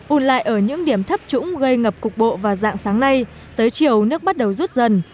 ủn lại ở những điểm thấp trũng gây ngập cục bộ vào dạng sáng nay tới chiều nước bắt đầu rút dần